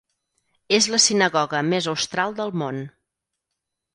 És la sinagoga més austral del món.